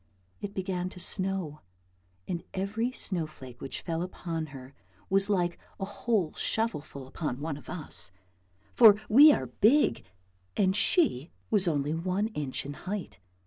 It began to snow and every snow T flake which fell upon her was like a whole shovelful upon one of us, for we are big and she was only one inch in height.